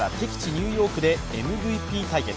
ニューヨークでＭＶＰ対決。